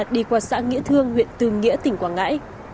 đi qua xã nghĩa thương huyện tư nghĩa tỉnh quảng ngãi